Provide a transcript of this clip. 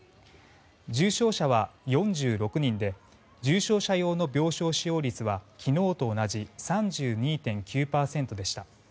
重症者は４６人で重症者用の病床使用率は昨日と同じ３２．９％でした。